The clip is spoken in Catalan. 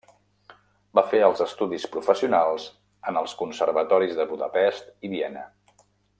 Va fer els estudis professionals en els Conservatoris de Budapest i Viena.